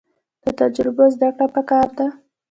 له تجربو زده کړه پکار ده